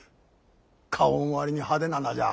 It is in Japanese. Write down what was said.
顔ん割に派手な名じゃ。